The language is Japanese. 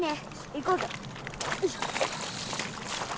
行こうぜ！